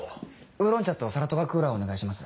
ウーロン茶とサラトガ・クーラーお願いします。